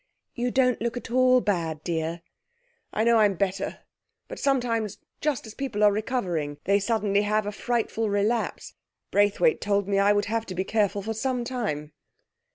'You don't look at all bad, dear.' 'I know I'm better; but sometimes, just as people are recovering, they suddenly have a frightful relapse. Braithwaite told me I would have to be careful for some time.'